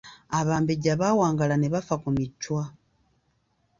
Abambejja baawangaala ne bafa ku Michwa.